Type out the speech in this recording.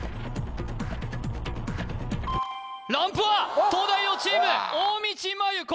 ランプは東大王チーム大道麻優子